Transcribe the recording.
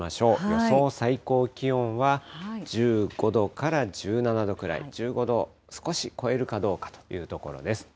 予想最高気温は１５度から１７度くらい、１５度を少し超えるかどうかというところです。